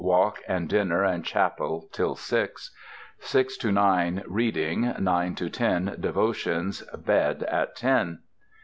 Walk and dinner, and chapel to six. Six to nine reading. Nine to ten, devotions. Bed at ten."